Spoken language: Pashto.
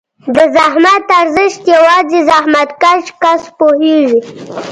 د زحمت ارزښت یوازې زحمتکښ کس پوهېږي.